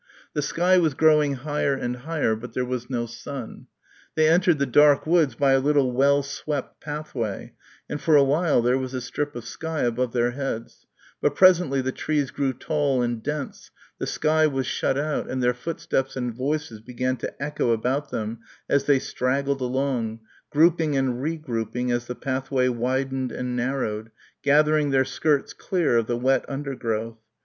The sky was growing higher and lighter, but there was no sun. They entered the dark woods by a little well swept pathway and for a while there was a strip of sky above their heads; but presently the trees grew tall and dense, the sky was shut out and their footsteps and voices began to echo about them as they straggled along, grouping and regrouping as the pathway widened and narrowed, gathering their skirts clear of the wet undergrowth.